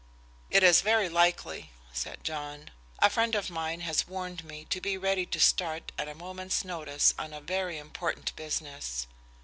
"It is very likely," said John. "A friend of mine has warned me to be ready to start at a moment's notice on very important business."